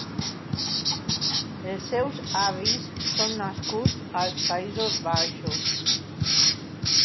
Els seus avis són nascuts als Països Baixos.